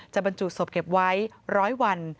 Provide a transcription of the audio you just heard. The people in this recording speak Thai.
บรรจุศพเก็บไว้๑๐๐วัน